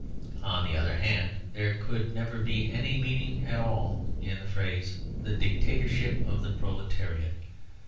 On the other hand, there could never be any meaning at all in the phrase "the dictatorship of the proletariat."